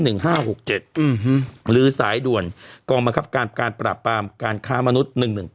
หรือสายด่วนกองบังคับการการปราบปรามการค้ามนุษย์๑๑๙